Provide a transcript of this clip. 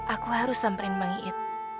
aku harus samperin bang iit